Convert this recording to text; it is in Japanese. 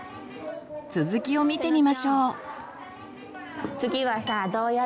続きを見てみましょう。